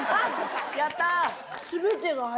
やった！